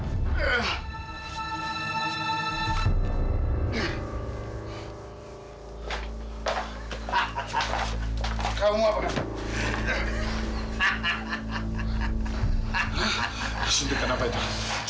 suntik kan apa itu